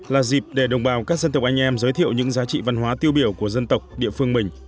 là dịp để đồng bào các dân tộc anh em giới thiệu những giá trị văn hóa tiêu biểu của dân tộc địa phương mình